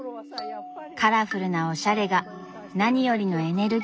カラフルなおしゃれが何よりのエネルギー源です。